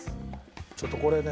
ちょっとこれね